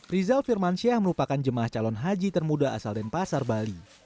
rizal firmansyah merupakan jemaah calon haji termuda asal denpasar bali